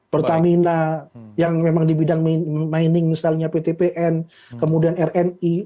pertamina yang memang di bidang mining misalnya pt pn kemudian rni